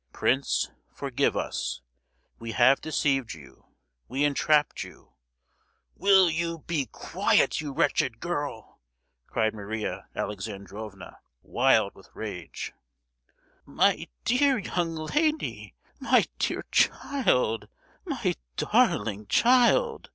—"Prince forgive us; we have deceived you; we entrapped you——" "Will you be quiet, you wretched girl?" cried Maria Alexandrovna, wild with rage. "My dear young lady—my dear child, my darling child!"